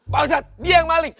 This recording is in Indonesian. pausat dia yang maling